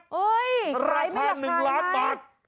ราคา๑ล้านบาท